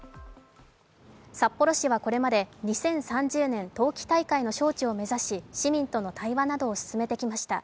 札幌市はこれまで、２０３０年冬季大会の招致を目指し、市民との対話などを進めてきました。